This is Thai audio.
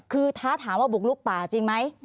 คือท้าถามว่าบุกลุกป่าจริงไหม